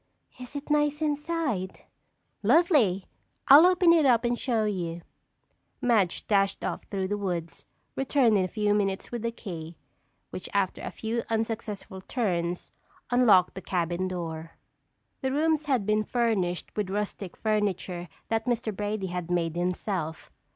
"Is it nice inside?" "Lovely. I'll open it up and show you." Madge dashed off through the woods, returned in a few minutes with the key, which after a few unsuccessful turns, unlocked the cabin door. The rooms had been furnished with rustic furniture that Mr. Brady had made himself.